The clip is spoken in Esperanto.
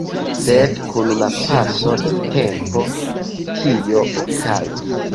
Sed kun la paso de tempo, tio okazis.